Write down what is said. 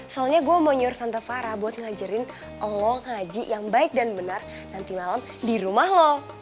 soalnya gue mau nyuruh tante farah buat ngajarin lo ngaji yang baik dan benar nanti malam di rumah lo